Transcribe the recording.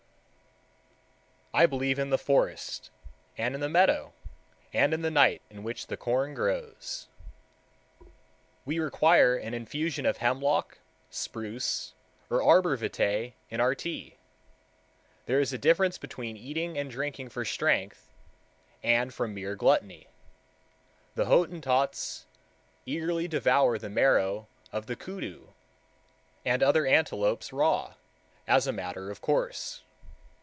I believe in the forest, and in the meadow, and in the night in which the corn grows. We require an infusion of hemlock spruce or arbor vitæ in our tea. There is a difference between eating and drinking for strength and from mere gluttony. The Hottentots eagerly devour the marrow of the koodoo and other antelopes raw, as a matter of course.